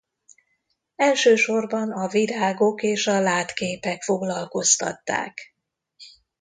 Elsősorban a virágok és a látképek foglalkoztatták.